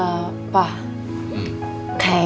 sipah vaan gitu